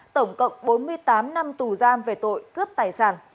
tổng cộng bốn mươi tám năm tù giam về tội cướp tài sản